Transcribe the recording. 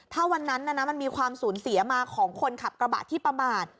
ถ้าวันนั้นมันมีความสูญเสียมาของคนขับกระบะที่ประมาท